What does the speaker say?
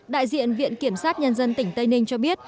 đại diện viện kiểm sát nhân dân tỉnh tây ninh cho biết